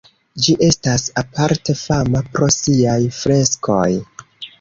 Ĝi estas aparte fama pro siaj freskoj.